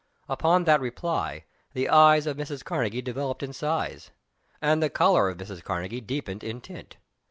Upon that reply the eyes of Mrs. Karnegie developed in size, and the color of Mrs. Karnegie deepened in tint.